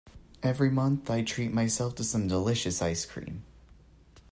Every month, I treat myself to some delicious ice cream.